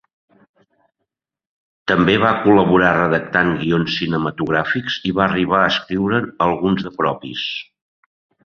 També va col·laborar redactant guions cinematogràfics i va arribar a escriure alguns de propis.